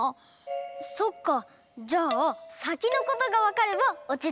そっかじゃあさきのことがわかればおちつけるのかもね。